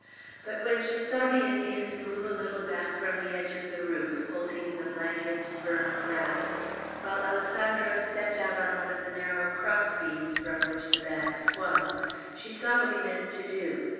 But when she saw the Indians move a little back from the edge of the roof, holding the blankets firm grasped, while Alessandro stepped out on one of the narrow cross beams from which the bag swung, she saw what he meant to do.